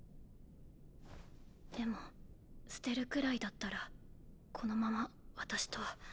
でも捨てるくらいだったらこのまま私と。